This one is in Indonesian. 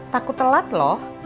takut telat loh